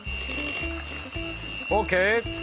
オーケー。